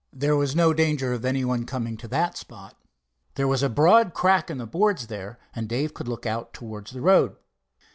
There was no danger of any one coming to that spot. There was a broad crack in the boards there, and Dave could look out towards the road.